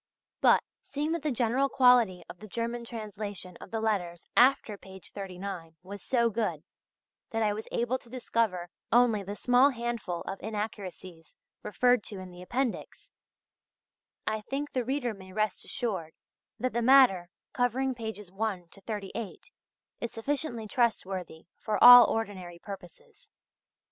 But, seeing that the general quality of the German translation of the letters after page 39 was so good that I was able to discover only the small handful of inaccuracies referred to in the appendix, I think the reader may rest assured that the matter covering pages 1 to 38 is sufficiently trustworthy for all ordinary purposes.